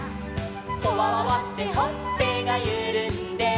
「ほわわわってほっぺがゆるんで」